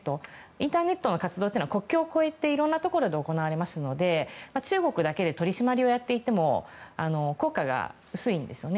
インターネットの活動は国境を越えていろんなところで行われますので中国だけで取り締まりをやっていても効果が薄いんですね。